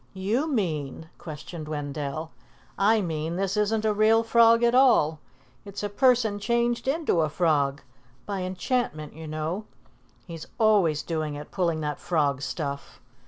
"You mean ?" questioned Wendell. "I mean this isn't a real frog at all. It's a person changed into a frog by enchantment, you know. He's always doing it, pulling that frog stuff.